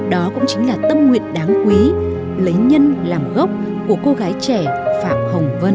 đó cũng chính là tâm nguyện đáng quý lấy nhân làm gốc của cô gái trẻ phạm hồng vân